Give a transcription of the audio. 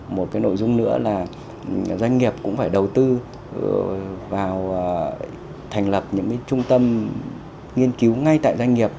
một cái nội dung nữa là doanh nghiệp cũng phải đầu tư vào thành lập những trung tâm nghiên cứu ngay tại doanh nghiệp